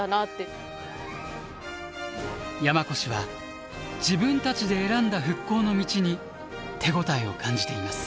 すごく現代的な山古志は自分たちで選んだ復興の道に手応えを感じています。